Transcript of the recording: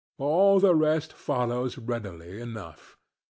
All the rest follows readily enough.